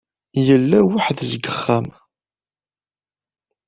Yella weḥd-s deg uxxam.